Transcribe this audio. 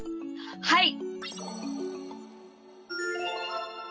はい！